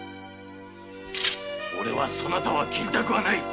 俺はそなたは斬りたくはない。